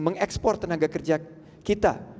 mengekspor tenaga kerja kita